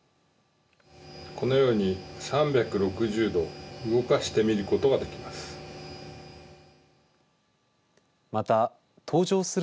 このように３６０度動かして見ることができます。